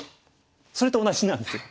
それと同じなんですよ。